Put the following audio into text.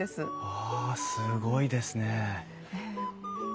わあすごいですね。